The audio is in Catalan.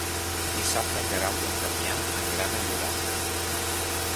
Dissabte en Guerau i en Damià aniran a Llorac.